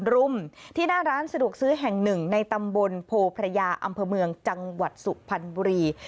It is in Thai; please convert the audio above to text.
รุมที่หน้าร้านสะดวกซื้อแห่งหนึ่งในตำบลโพพระยาอำเภอเมืองจังหวัดสุพรรณบุรี